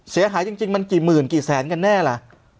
เสียหายจริงมันกี่หมื่นกี่แสนกันแน่ล่ะ